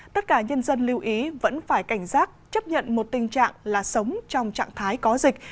tất cả nhân dân lưu ý vẫn phải cảnh giác chấp nhận một tình trạng là sống trong trạng thái có dịch